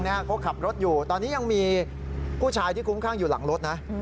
เขาขับรถอยู่ตอนนี้ยังมีผู้ชายที่คุ้มข้างอยู่หลังรถนะ